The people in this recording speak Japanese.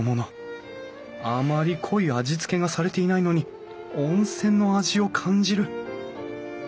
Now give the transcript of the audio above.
あまり濃い味付けがされていないのに温泉の味を感じる。